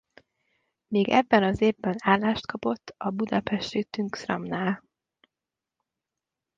Még ebben az évben állást kapott a budapesti Tungsramnál.